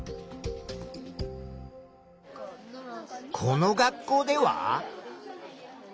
この学校では？